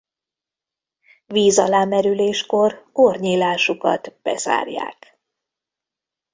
Víz alá merüléskor orrnyílásukat bezárják.